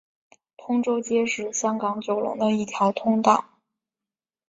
通州街是香港九龙的一条道路。